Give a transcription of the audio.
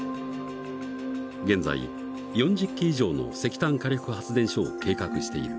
現在４０基以上の石炭火力発電所を計画している。